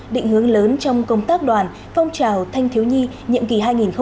định hướng lớn trong công tác đoàn phong trào thanh thiếu nhi nhiệm kỳ hai nghìn hai mươi hai nghìn hai mươi năm